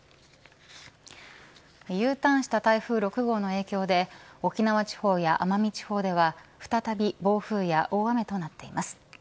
Ｕターンした台風６号の影響で沖縄地方や奄美地方では再び暴風や大雨となっています。